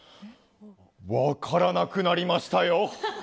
分からなくなりましたよ。